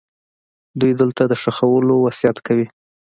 دوی دلته د ښخولو وصیت کوي.